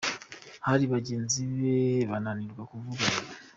Hari bagenzi be bananirwa kuvuga ‘Oya’ .